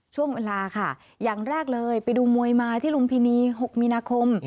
ช่วงเวลาค่ะอย่างแรกเลยไปดูมวยมาที่ลุมพินี๖มีนาคม